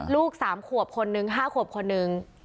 ลูก๓ควบคนหนึ่ง๕ควบคนหนึ่ง